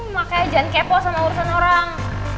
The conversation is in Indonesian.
makanya jangan kepo sama urusan orang